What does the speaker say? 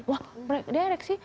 wah dia ereksi